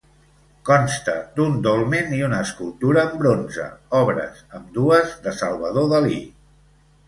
Consta d'un dolmen i una escultura en bronze, obres ambdues de Salvador Dalí.